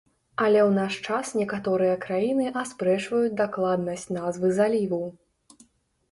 Але ў наш час некаторыя краіны аспрэчваюць дакладнасць назвы заліву.